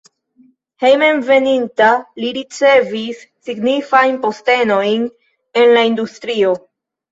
Hejmenveninta li ricevis signifajn postenojn en la industrio.